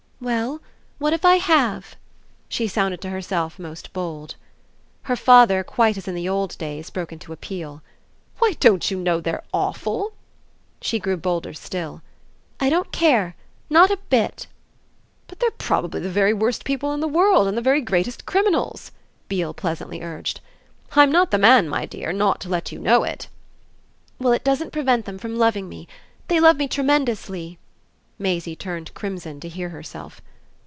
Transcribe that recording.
"Well, what if I have?" She sounded to herself most bold. Her father, quite as in the old days, broke into a peal. "Why, don't you know they're awful?" She grew bolder still. "I don't care not a bit!" "But they're probably the worst people in the world and the very greatest criminals," Beale pleasantly urged. "I'm not the man, my dear, not to let you know it." "Well, it doesn't prevent them from loving me. They love me tremendously." Maisie turned crimson to hear herself.